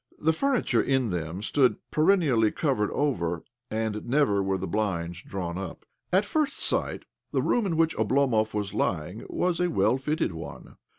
The furniture in them stood perennially covered over, arid never were the blinds drawn up. At first sight the room in which Oblomov was lying was a well fitted one.